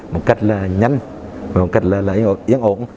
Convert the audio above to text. một cách là nhanh một cách là yên ổn